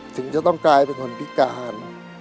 ถึงจะต้องกลายเป็นคนพิการ